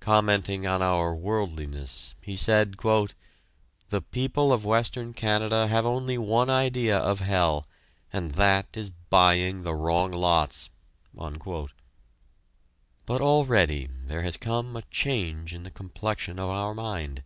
Commenting on our worldliness, he said: "The people of Western Canada have only one idea of hell, and that is buying the wrong lots!" But already there has come a change in the complexion of our mind.